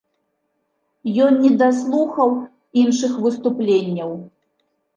Ён недаслухаў іншых выступленняў.